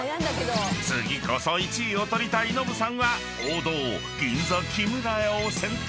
［次こそ１位を取りたいノブさんは王道銀座木村家を選択］